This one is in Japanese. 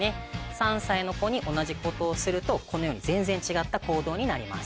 ３歳の子に同じことをするとこのように全然違った行動になります。